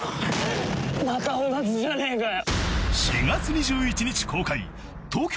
「また同じじゃねえかよ」